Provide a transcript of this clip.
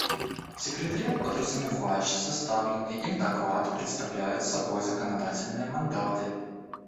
Секретариат подразумевает, что составляемые им доклады представляют собой законодательные мандаты.